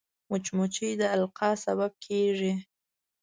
مچمچۍ د القاح سبب کېږي